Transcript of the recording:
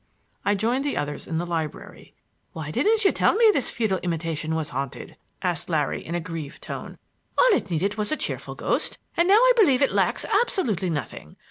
I joined the others in the library. "Why didn't you tell me this feudal imitation was haunted?" asked Larry, in a grieved tone. "All it needed was a cheerful ghost, and now I believe it lacks absolutely nothing.